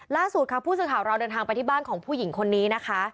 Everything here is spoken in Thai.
ล่าสุดค่ะผู้สื่อข่าวเราเดินทางไปที่บ้านของผู้หญิงคนนี้นะคะ